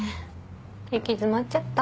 行き詰まっちゃった？